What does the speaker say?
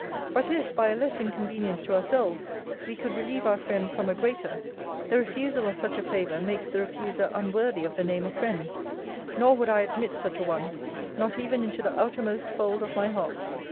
But if, by a less inconvenience to ourselves, we could relieve our friend from a greater, the refusal of such a favour makes the refuser unworthy of the name of friend: nor would I admit such a one, not even into the outermost fold of my heart.